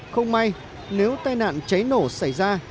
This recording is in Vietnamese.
không may nếu tai nạn cháy nổ xảy ra